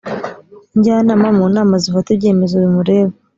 njyanama mu nama zifata ibyemezo bimureba